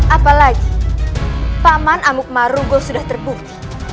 apalagi paman amuk marugo sudah terbukti